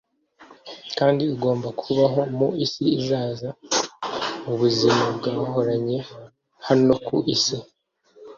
kandi ugomba kubaho mu isi izaza mu buzima wahoranye hano ku isi.